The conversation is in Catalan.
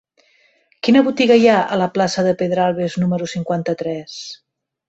Quina botiga hi ha a la plaça de Pedralbes número cinquanta-tres?